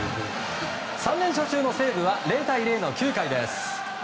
３連勝中の西武は０対０の９回です。